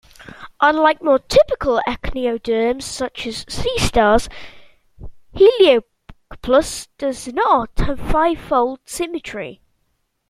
Unlike more typical echinoderms such as sea stars, "Helicoplacus" does not have fivefold symmetry.